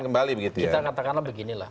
kembali kita katakanlah beginilah